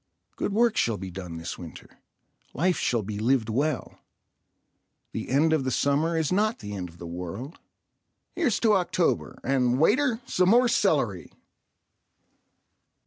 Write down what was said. Good work shall be done this winter. Life shall be lived well. The end of the summer is not the end of the world. Here's to October—and, waiter, some more celery.